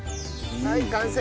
はい完成。